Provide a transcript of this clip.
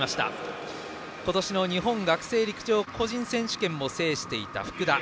今年の学生陸上個人選手権も制した福田。